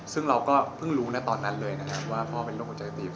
ซึ่งเราก็เพิ่งรู้นะตอนนั้นเลยนะครับว่าพ่อเป็นโรคหัวใจตีบ